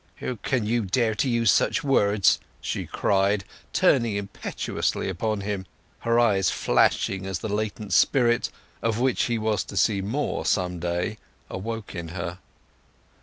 "How can you dare to use such words!" she cried, turning impetuously upon him, her eyes flashing as the latent spirit (of which he was to see more some day) awoke in her.